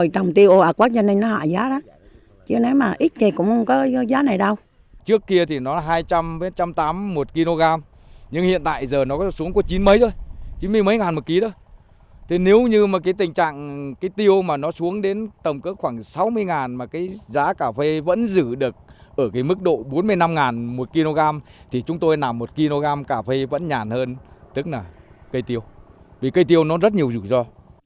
chín mươi đồng một kg đó nếu như tình trạng tiêu xuống đến tầm cơ khoảng sáu mươi đồng mà giá cà phê vẫn giữ được ở mức độ bốn mươi năm đồng một kg thì chúng tôi làm một kg cà phê vẫn nhàn hơn tức là cây tiêu vì cây tiêu nó rất nhiều rủi ro